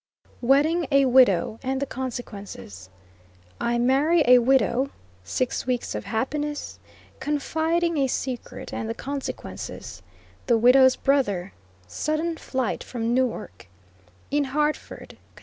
WEDDING A WIDOW, AND THE CONSEQUENCES. I MARRY A WIDOW SIX WEEKS OF HAPPINESS CONFIDING A SECRET AND THE CONSEQUENCES THE WIDOW'S BROTHER SUDDEN FLIGHT FROM NEWARK IN HARTFORD, CONN.